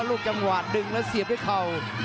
ลูกจังหวะดึงแล้วเสียบด้วยเข่า